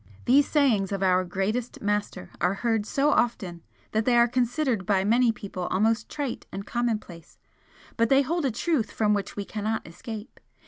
These sayings of our greatest Master are heard so often that they are considered by many people almost trite and commonplace, but they hold a truth from which we cannot escape.